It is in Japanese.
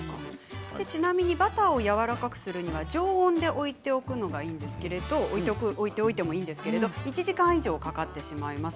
ちなみにバターをやわらかくするには常温で置いておいてもいいんですけれども１時間以上かかってしまいます。